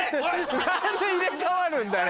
何で入れ代わるんだよ！